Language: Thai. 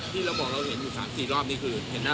ที่เราบอกเราเห็นอยู่๓๔รอบนี้คือ